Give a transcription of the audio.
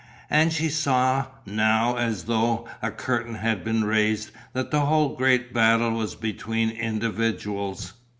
And she saw, now, as though a curtain had been raised, that the whole great battle was between individuals.